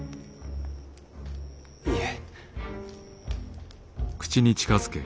いえ。